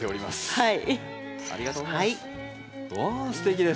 はい。